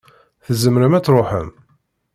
Tzemrem ad tṛuḥem.